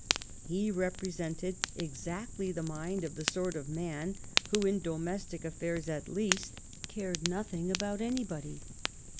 He represented exactly the mind of the sort of man who, in domestic affairs at least, cared nothing about anybody.